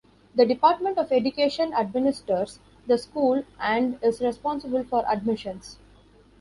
The Department of Education administers the school and is responsible for admissions.